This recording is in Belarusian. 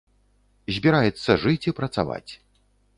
Збіраецца жыць і працаваць.